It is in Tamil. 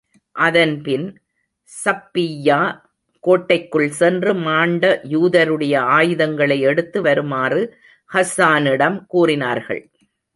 அதன்பின், ஸபிய்யா கோட்டைக்குள் சென்று மாண்ட யூதருடைய ஆயுதங்களை எடுத்து வருமாறு ஹஸ்ஸானிடம் கூறினார்கள்.